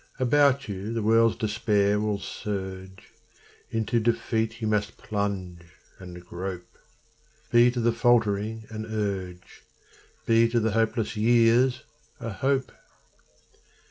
About you the world's despair will surge; Into defeat you must plunge and grope Be to the faltering an urge; Be to the hopeless years a hope!